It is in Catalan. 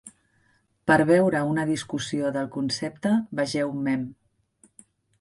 Per veure una discussió del concepte, vegeu Mem.